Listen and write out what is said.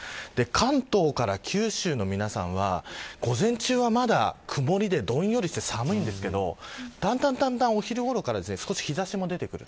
関東から九州の皆さんは午前中は、まだ曇りでどんよりしていて寒いですがお昼ごろからだんだん日差しも出てくる。